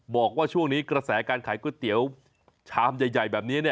บอกว่าช่วงนี้กระแสการขายก๋วยเตี๋ยวชามใหญ่แบบนี้